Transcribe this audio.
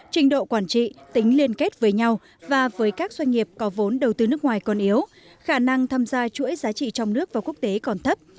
trình độ quản trị tính liên kết với nhau và với các doanh nghiệp có vốn đầu tư nước ngoài còn yếu khả năng tham gia chuỗi giá trị trong nước và quốc tế còn thấp